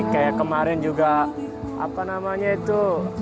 kayak kemarin juga apa namanya itu